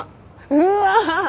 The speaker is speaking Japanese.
うわ！